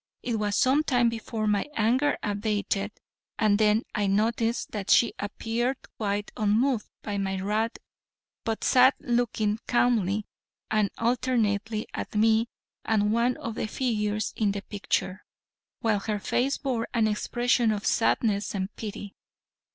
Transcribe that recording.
It was some time before my anger abated, and then I noticed that she appeared quite unmoved by my wrath but sat looking calmly and alternately at me and one of the figures in the picture, while her face bore an expression of sadness and pity.